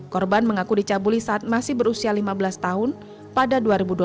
korban mengaku dicabuli saat masih berusia lima belas tahun pada dua ribu dua belas